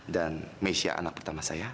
dan mesia anak pertama saya